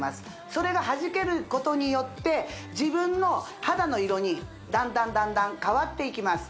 それがはじけることによって自分の肌の色にだんだんだんだん変わっていきます